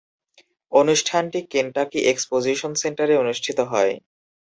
অনুষ্ঠানটি Kentucky exposition সেন্টারে অনুষ্ঠিত হয়।